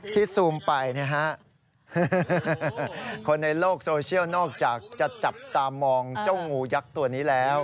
ซูมไปนะฮะคนในโลกโซเชียลนอกจากจะจับตามองเจ้างูยักษ์ตัวนี้แล้ว